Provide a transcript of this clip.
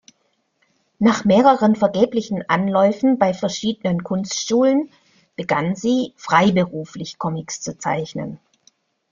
Nach mehreren vergeblichen Anläufen bei verschiedenen Kunstschulen begann sie, freiberuflich Comics zu zeichnen.